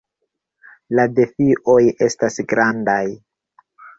La defioj estas grandaj.